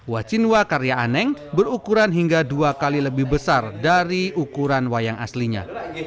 wacinwa karya aneng berukuran hingga dua kali lebih besar dari ukuran wayang aslinya